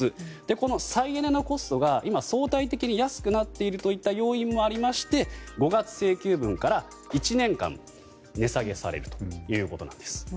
この再エネのコストが相対的に安くなっているという要因もありまして５月請求分から１年間値下げされるということです。